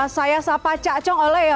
saya sapa cak cong ole ya